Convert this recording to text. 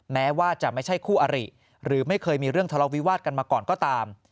แม้ว่าจะไม่ใช่คู่อริหรือไม่เคยมีเรื่องทะเลาวิวาสกันมาก่อนก็ตาม